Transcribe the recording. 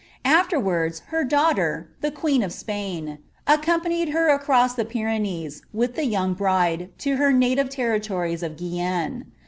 Al'terwards her daughier, the tin, accompanied her across the Pyrenees, with the young native territories of Guienne.